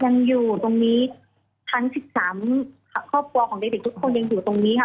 ยังอยู่ตรงนี้ทั้ง๑๓ครอบครัวของเด็กทุกคนยังอยู่ตรงนี้ค่ะ